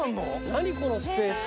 何このスペース。